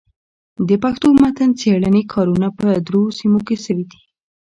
د پښتو متن څېړني کارونه په درو سيمو کي سوي دي.